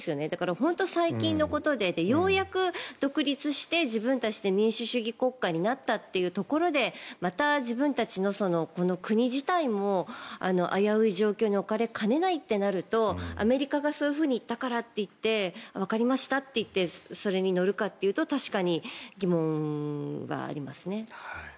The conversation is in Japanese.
だから、本当に最近のことでようやく独立して自分たちで民主主義国家になったというところでまた自分たちの国自体も危うい状況に置かれかねないってなるとアメリカがそういうふうに言ったからってわかりましたっていってそれに乗るかっていうと確かに疑問がありますね。